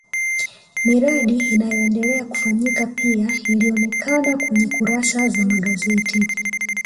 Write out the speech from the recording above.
miradi inayoendelea kufanyika pia ilionekana kwenye kurasa za magazeti